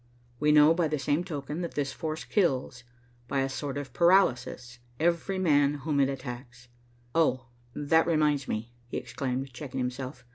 We know by the same token that this force kills, by a sort of paralysis, every man whom it attacks. Oh, that reminds me," he exclaimed, checking himself.